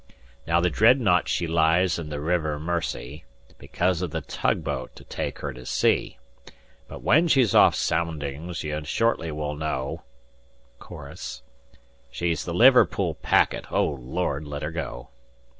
"Now the Dreadnought she lies in the River Mersey, Because of the tug boat to take her to sea; But when she's off soundings you shortly will know (Chorus.) She's the Liverpool packet O Lord, let her go!